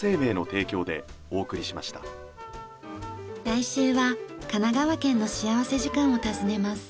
来週は神奈川県の幸福時間を訪ねます。